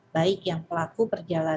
baik yang pelaku berjalan